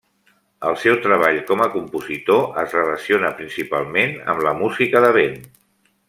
El seu treball com a compositor es relaciona principalment amb la música de vent.